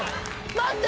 待って。